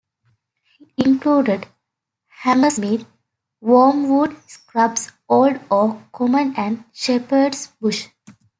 It included Hammersmith, Wormwood Scrubs, Old Oak Common and Shepherd's Bush.